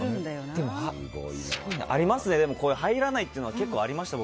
ありますね、入らないのは僕も結構ありました。